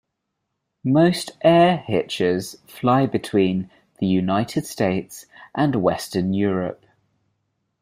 Most airhitchers fly between the United States and Western Europe.